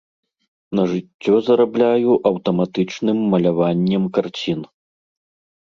На жыццё зарабляю аўтаматычным маляваннем карцін.